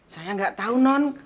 saya gak tau non